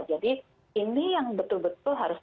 jadi ini yang betul betul harus